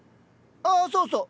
あっそうそう。